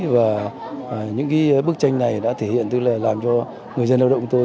và những cái bức tranh này đã thể hiện tức là làm cho người dân lao động của tôi